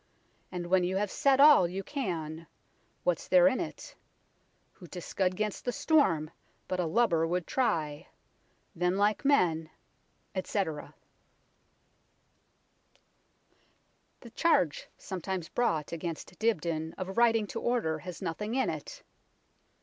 And when you have said all you can, what's there in it ? Who to scud 'gainst the storm but a lubber would try ? Then like men, etc." The charge sometimes brought against Dibdin of writing to order has nothing in it.